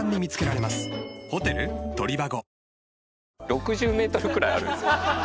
６０メートルくらいあるんですよ。